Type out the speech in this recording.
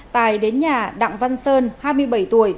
tài đến nhà đặng văn sơn hai mươi bảy tuổi